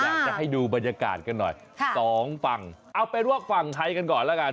อยากจะให้ดูบรรยากาศกันหน่อยค่ะสองฝั่งเอาเป็นว่าฝั่งไทยกันก่อนแล้วกัน